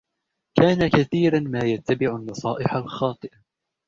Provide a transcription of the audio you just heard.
كان كثيرا ما يتّبع النصائح الخاطئة.